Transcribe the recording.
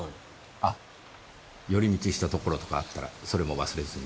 あ寄り道した所とかあったらそれも忘れずに。